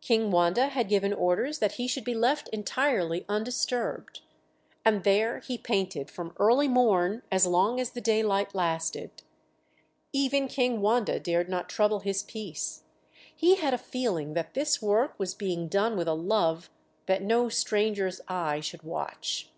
King Wanda had given orders that he should be left entirely undisturbed; and there he painted from early morn as long as the daylight lasted. Even King Wanda dared not trouble his peace he had a feeling that this work was being done with a love that no stranger's eye should watch.